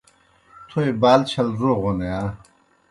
تھوئے بال چھل روغَن یا؟